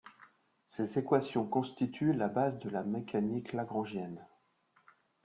Ces équations constituent la base de la mécanique lagrangienne.